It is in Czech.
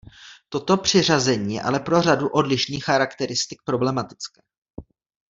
Toto přiřazení je ale pro řadu odlišných charakteristik problematické.